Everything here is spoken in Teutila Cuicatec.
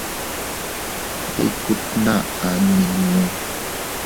Bikku tnaʼa nmiñu.